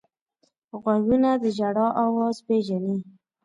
غوږونه د ژړا اواز پېژني